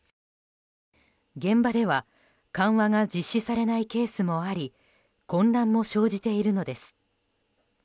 現場では緩和が実施されないケースもあり混乱も生じているのです。